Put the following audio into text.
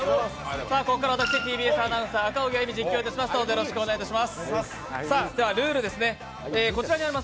ここからは私、ＴＢＳアナウンサー赤荻歩が実況してまいります。